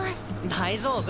大丈夫。